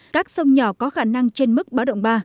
các sông nhỏ có khả năng trên mức báo động ba